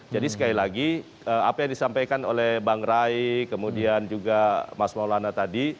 jadi sekali lagi apa yang disampaikan oleh bang rai kemudian juga mas maulana tadi